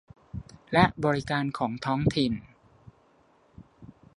และบริการของท้องถิ่น